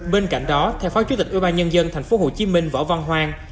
bên cạnh đó theo phó chủ tịch ubnd tp hcm võ văn hoàng